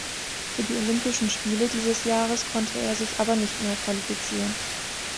Für die Olympischen Spiele dieses Jahres konnte er sich aber nicht mehr qualifizieren.